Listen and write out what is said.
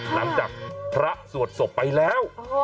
หลังจากพระสวดศพไปแล้ว